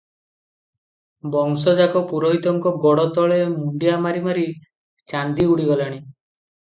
ବଂଶଯାକ ପୁରୋହିତଙ୍କ ଗୋଡ଼ତଳେ ମୁଣ୍ଡିଆ ମାରି ମାରି ଚାନ୍ଦି ଉଡିଗଲାଣି ।